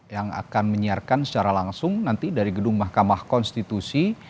yang akan menyiarkan secara langsung nanti dari gedung mahkamah konstitusi